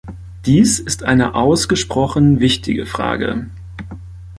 Dies ist eine ausgesprochen wichtige Frage.